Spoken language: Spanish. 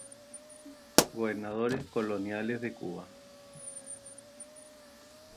Gobernadores coloniales de Cuba